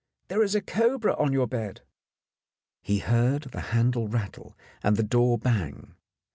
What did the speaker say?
There is a cobra on your bed !" He heard the handle rattle and the door bang.